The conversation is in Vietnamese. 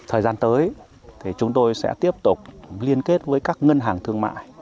thời gian tới thì chúng tôi sẽ tiếp tục liên kết với các ngân hàng thương mại